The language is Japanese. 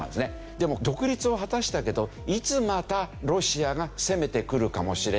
でも独立を果たしたけどいつまたロシアが攻めてくるかもしれない。